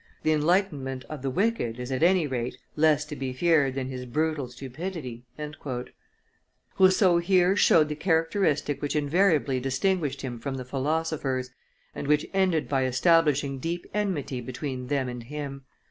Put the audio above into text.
... The enlightenment of the wicked is at any rate less to be feared than his brutal stupidity." Rousseau here showed the characteristic which invariably distinguished him from the philosophers, and which ended by establishing deep enmity between them and him.